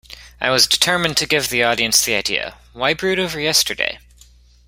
I was determined to give the audience the idea: why brood over yesterday?